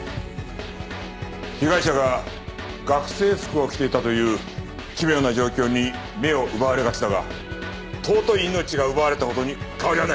被害者が学生服を着ていたという奇妙な状況に目を奪われがちだが尊い命が奪われた事に変わりはない。